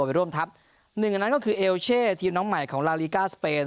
ไปร่วมทัพหนึ่งอันนั้นก็คือเอลเช่ทีมน้องใหม่ของลาลีก้าสเปน